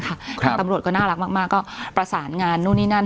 ค่ะครับตำรวดก็น่ารักมากมากก็ประสานงานนู่นนี่นั่น